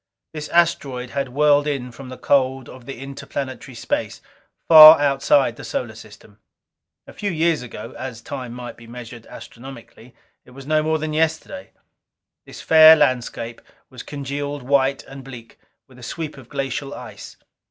This asteroid had whirled in from the cold of the interplanetary space, far outside our solar system. A few years ago as time might be measured astronomically, it was no more than yesterday this fair landscape was congealed white and bleak with a sweep of glacial ice.